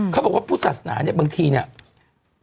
เขาบอกว่าพุทธศาสนาเนี่ยบางทีเนี่ย